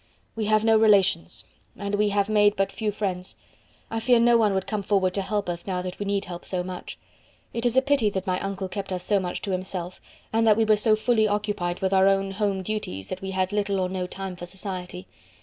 "We have no relations, and we have made but few friends. I fear no one would come forward to help us now that we need help so much. It is a pity that my uncle kept us so much to himself, and that we were so fully occupied with our own home duties that we had little or no time for society.